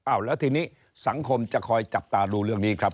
แล้วทีนี้สังคมจะคอยจับตาดูเรื่องนี้ครับ